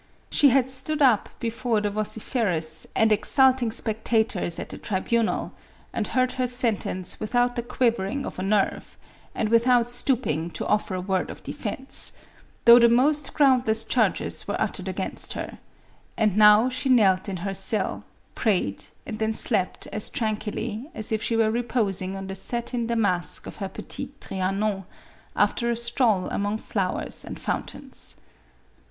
She had stood up before the vocife rous and exulting spectators, at the tribunal, and heard her sentence without the quivering of a nerve, and without stooping to offer a word of defence, though the most groundless charges were uttered against her ; and now she knelt in her cell, prayed, and then slept as tranquilly, as if she were reposing on the satin damask of her Petit Trianon, after a stroll among flowers and fountains.